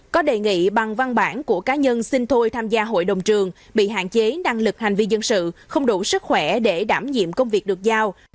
có đề nghị bằng văn bản của cá nhân xin thôi tham gia hội đồng trường bị hạn chế năng lực hành vi dân sự không đủ sức khỏe để đảm nhiệm công việc được giao